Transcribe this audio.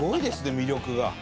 魅力が。